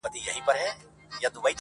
• کوي او سوکاله وي -